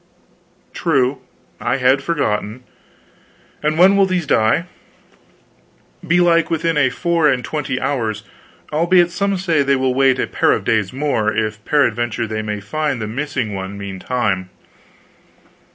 "True. I had forgotten. And when will these die?" "Belike within a four and twenty hours; albeit some say they will wait a pair of days more, if peradventure they may find the missing one meantime."